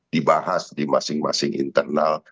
dibahas di masing masing internal